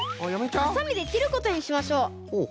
ハサミできることにしましょう。